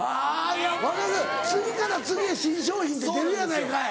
分かるけど次から次へ新商品って出るやないかい。